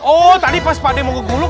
oh tadi pas pak ade mau gue gulung